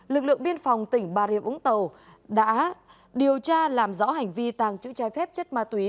lực lượng biên phòng tỉnh bà rịa vũng tàu đã điều tra làm rõ hành vi tàng trữ trái phép chất ma túy